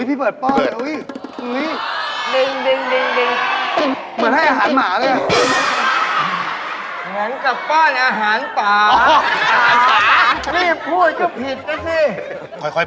อุ๊ยพี่เปิดป้อนเลยอุ๊ยอุ๊ย